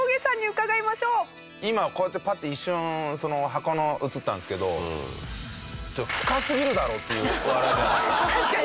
今こうやってパッて一瞬その箱の映ったんですけど深すぎるだろ！っていう笑いじゃないですか？